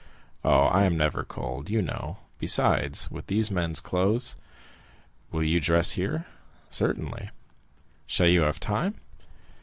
"Oh, I am never cold, you know! Besides, with these men's clothes——" "Will you dress here?" "Certainly." "Shall you have time?"